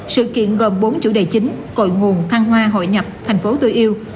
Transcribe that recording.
sự kiện gồm bốn chủ đề chính cội nguồn thăng hoa hội nhập thành phố tôi yêu